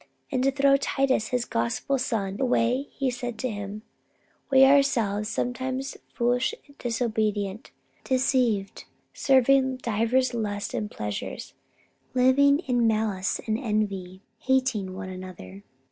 And, to show Titus, his gospel son, the way, he said to him: We ourselves were sometimes foolish, disobedient, deceived, serving divers lusts and pleasures, living in malice and envy, hateful, and hating one another.